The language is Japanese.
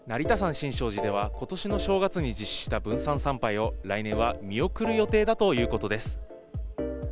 新勝寺では、ことしの正月に実施した分散参拝を、来年は見送る予定だということです。